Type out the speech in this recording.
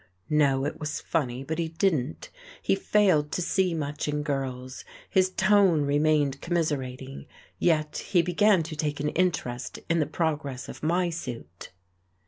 No, it was funny, but he didn't. He failed to see much in girls: his tone remained commiserating, yet he began to take an interest in the progress of my suit.